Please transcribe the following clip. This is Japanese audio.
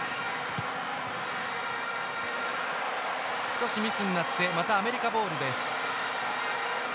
少しミスになってまたアメリカボールです。